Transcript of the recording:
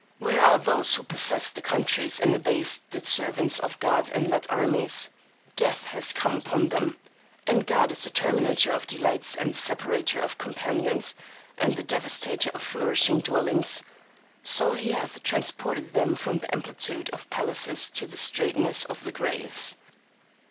Where are those who possessed the countries and abased the servants of God and led armies? Death hath come upon them; and God is the terminator of delights and the separator of companions and the devastator of flourishing dwellings; so He hath transported them from the amplitude of palaces to the straightness of the graves.